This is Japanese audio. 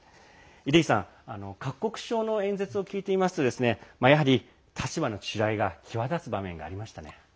出石さん各国首脳の演説を聞いていますとやはり、立場の違いが際立つ場面がありましたね。